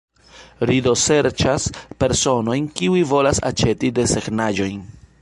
Ri do serĉas personojn, kiu volas aĉeti desegnaĵojn.